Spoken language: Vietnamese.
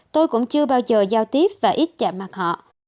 tôi cũng chưa bao giờ giao tiếp và ít chạm mặt họ